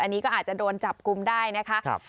อันนี้ก็อาจจะโดนจับกุมได้นะคะ